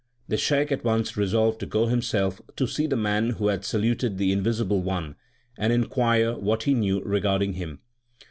The Shaikh at once resolved to go himself to see the man who had saluted the Invisible One, and inquire what he knew regarding Him.